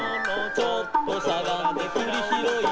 「ちょっとしゃがんでくりひろい」